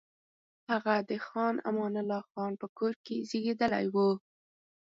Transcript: هغه د خان امان الله خان په کور کې زېږېدلی وو.